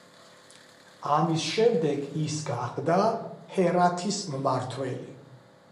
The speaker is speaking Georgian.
ამის შემდეგ ის გახდა ჰერათის მმართველი.